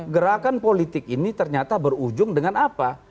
gerakan politik ini ternyata berujung dengan apa